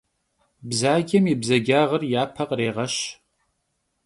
Bzacem yi bzacağer yape khrêğeş.